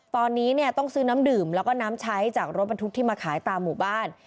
ตอนนี้เนี่ยต้องซื้อน้ำดื่มแล้วก็น้ำใช้จากรถบรรทุกที่มาขายตามหมู่บ้าน